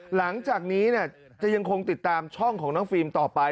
หลังจากนี้จะยังคงติดตามช่องของน้องฟิล์มต่อไป